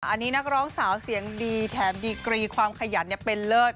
อันนี้นักร้องสาวเสียงดีแถมดีกรีความขยันเป็นเลิศ